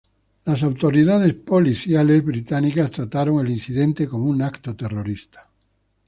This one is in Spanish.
Las autoridades policiales británicas trataron el incidente como un acto terrorista.